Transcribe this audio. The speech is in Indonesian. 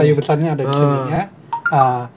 kayu besarnya ada disini ya